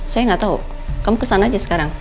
saya gak tau kamu kesana aja sekarang